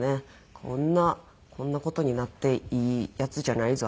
こんな事になっていいヤツじゃないぞ